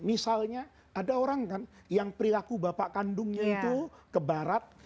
misalnya ada orang kan yang perilaku bapak kandungnya itu ke barat